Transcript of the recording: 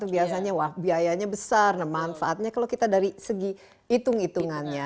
biasanya wah biayanya besar nah manfaatnya kalau kita dari segi hitung hitungannya